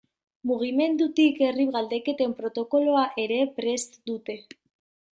Mugimendutik herri galdeketen protokoloa ere prest dute.